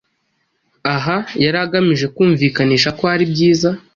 aha yari agamije kumvikanisha ko aribyiza